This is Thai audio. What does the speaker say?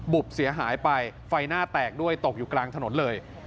บเสียหายไปไฟหน้าแตกด้วยตกอยู่กลางถนนเลย